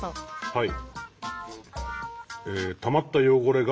はい。